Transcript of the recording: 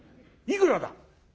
いくらだ？」。